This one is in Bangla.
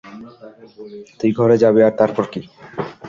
তুই ঘরে যাবি আর তারপর কি?